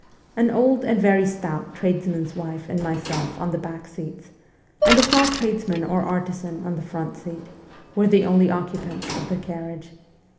An old and very stout tradesman's wife and myself on the back seats, and a small tradesman or artisan on the front seat, were the only occupants of the carriage.